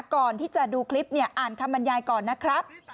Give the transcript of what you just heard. ก่อนที่จะดูคลิปเนี่ยอ่านคำบรรยายก่อนนะครับ